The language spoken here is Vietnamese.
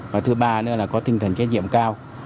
và thứ ba nữa là có tinh thần trách nhiệm cao